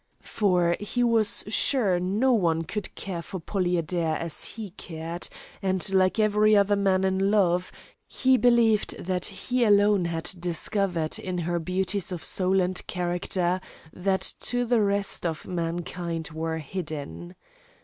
For he was sure no one could care for Polly Adair as he cared, and, like every other man in love, he believed that he alone had discovered in her beauties of soul and character that to the rest of mankind were hidden.